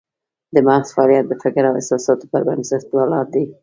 د مغز فعالیت د فکر او احساساتو پر بنسټ ولاړ دی